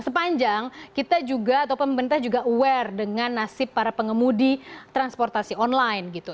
sepanjang kita juga atau pemerintah juga aware dengan nasib para pengemudi transportasi online gitu